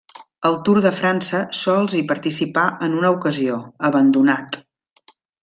Al Tour de França sols hi participà en una ocasió, abandonat.